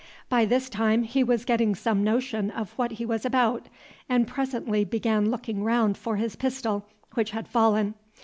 By this time he was getting some notion of what he was about, and presently began looking round for his pistol, which had fallen.